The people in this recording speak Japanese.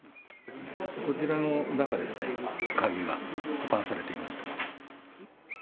こちらの中ですね、鍵が保管されていました。